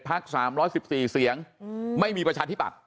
๑๑พักษ์๓๑๔เสียงไม่มีประชาธิปักษ์